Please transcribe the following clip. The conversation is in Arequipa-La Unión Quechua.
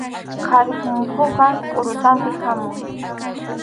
Qharip muhunqa qʼurutanpi hamun.